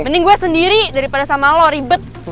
mending gue sendiri daripada sama lo ribet